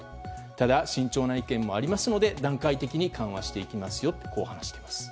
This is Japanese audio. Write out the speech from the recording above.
ただ、慎重な意見もありますので段階的に緩和していきますよとこう話しています。